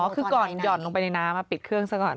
คือก่อนหย่อนลงไปในน้ำปิดเครื่องซะก่อน